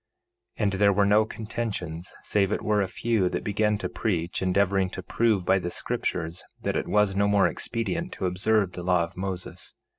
1:24 And there were no contentions, save it were a few that began to preach, endeavoring to prove by the scriptures that it was no more expedient to observe the law of Moses.